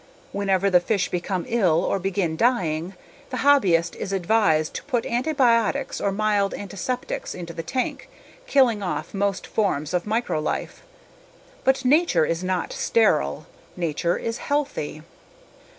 Whenever the fish become ill or begin dying, the hobbyist is advised to put antibiotics or mild antiseptics into the tank, killing off most forms of microlife. But nature is not sterile. Nature is healthy.